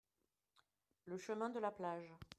Le chemin de la plage.